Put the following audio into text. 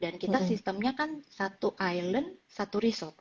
dan kita sistemnya kan satu island satu resort